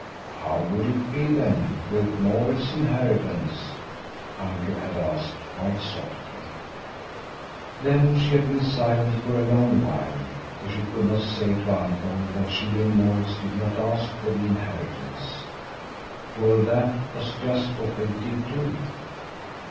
"How would it be then with Maurits's inheritance?" uncle had asked quite softly. Then she had been silent for a long while, for she could not say to Uncle that she and Maurits did not ask for the inheritance, for that was just what they did do.